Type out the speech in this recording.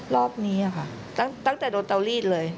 รอบนี้ค่ะตั้งแต่โดนเตาลีดเลย